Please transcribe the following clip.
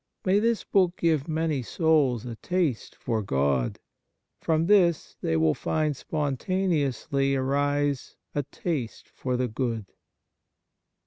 May this book give many souls a taste for God ! From this they will find spontaneously arise a taste for the good.